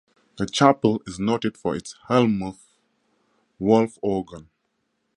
The chapel is noted for its Hellmuth Wolff organ.